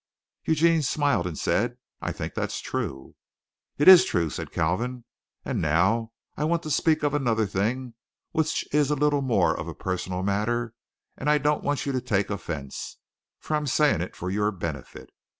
Eugene smiled and said: "I think that's true." "It is true," said Kalvin; "and now I want to speak of another thing which is a little more of a personal matter, and I don't want you to take offence, for I'm saying it for your benefit.